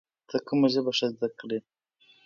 ته کوم ژبه ښه زده کړې؟